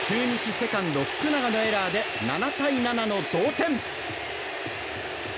セカンド、福永のエラーで７対７の同点。